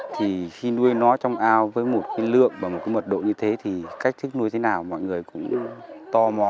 thì khi nuôi nó trong ao với một cái lượng và một cái mật độ như thế thì cách thức nuôi thế nào mọi người cũng to mó